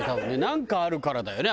なんかあるからだよね